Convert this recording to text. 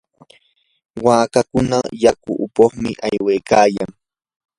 waakakuna yaku upuqmi aywaykayan.